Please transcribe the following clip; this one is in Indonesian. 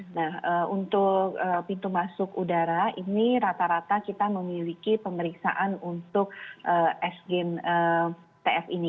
nah untuk pintu masuk udara ini rata rata kita memiliki pemeriksaan untuk sgen tf ini